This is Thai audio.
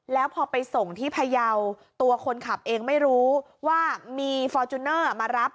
แล้วพอไปส่งที่พยาวตัวคนขับเองไม่รู้ว่ามีฟอร์จูเนอร์มารับ